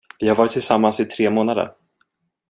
Vi har varit tillsammans i tre månader.